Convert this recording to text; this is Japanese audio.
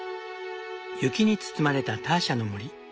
雪に包まれたターシャの森。